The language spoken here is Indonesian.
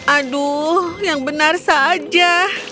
aduh yang benar saja